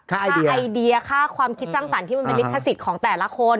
ค่าไอเดียค่าความคิดสร้างสรรค์ที่มันเป็นลิขสิทธิ์ของแต่ละคน